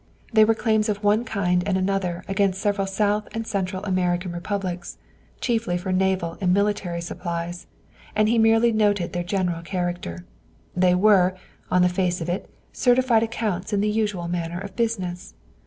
They were claims of one kind and another against several South and Central American republics, chiefly for naval and military supplies, and he merely noted their general character. They were, on the face of it, certified accounts in the usual manner of business.